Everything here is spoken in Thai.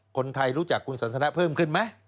คนไทยรู้จักคุณสันทนาเพิ่มขึ้นไหม